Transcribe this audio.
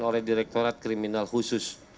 oleh direkturat kriminal khusus